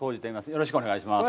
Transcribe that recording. よろしくお願いします。